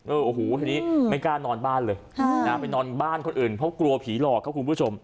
โอ้โหทีนี้ไม่กล้านอนบ้านเลยไปนอนบ้านคนอื่นเพราะกลัวผีหลอกครับคุณผู้ชม